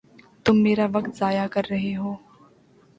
تم میرا وقت ضائع کر رہے ہو